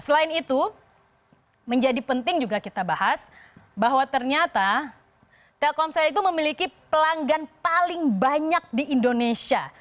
selain itu menjadi penting juga kita bahas bahwa ternyata telkomsel itu memiliki pelanggan paling banyak di indonesia